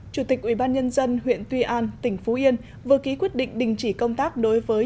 chủ tịch ubnd huyện tuy an tỉnh phú yên vừa ký quyết định đình chỉ công tác đối với